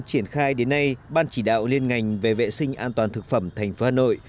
triển khai đến nay ban chỉ đạo liên ngành về vệ sinh an toàn thực phẩm thành phố hà nội